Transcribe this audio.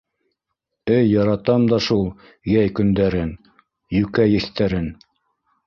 - Эй яратам да шул йәй көндәрен, йүкә еҫтәрен!